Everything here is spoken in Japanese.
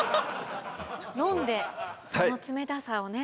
飲んでその冷たさをね。